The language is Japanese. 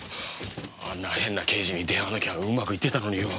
あんな変な刑事に出会わなきゃうまくいってたのによう。